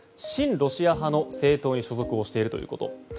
親ロシア派の政党に所属しているということ。